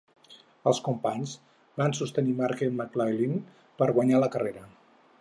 Els companys van sostenir Michael McLaughlin per guanyar la carrera.